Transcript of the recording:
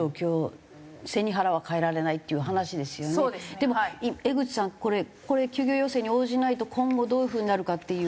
でも江口さんこれこれ休業要請に応じないと今後どういう風になるかっていう。